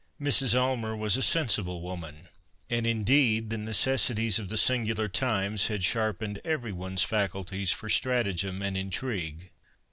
Mrs. Aylmer was a sensible woman, and indeed the necessities of the singular times had sharpened every one's faculties for stratagem and intrigue.